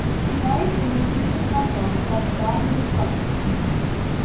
He died in the Sydney suburb of Darlinghurst.